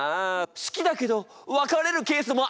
好きだけど別れるケースもあるんだね！